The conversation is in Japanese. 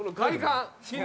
外観。